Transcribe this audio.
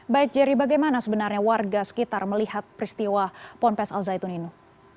baik jerry bagaimana sebenarnya warga sekitar melihat peristiwa ponpes al zaitun ini